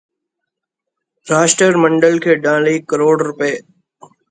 ਰਾਸ਼ਟਰ ਮੰਡਲ ਖੇਡਾਂ ਲਈ ਕਰੋੜ ਰੁਪਏ